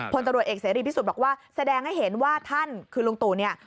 พลตำรวจเอกเสรีพิสุทธิ์บอกว่าแสดงให้เห็นว่าท่านคือลุงตู่เนี่ย